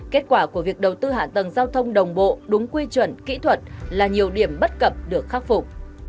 kết quả của việc đầu tư hạ tầng giao thông đồng bộ đúng quy chuẩn kỹ thuật là nhiều điểm bất cập được khắc phục